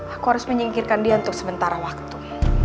aku harus menyingkirkan dia untuk sementara waktu